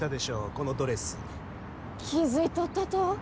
このドレス気づいとったと？